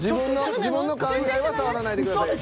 自分の缶以外は触らないでください。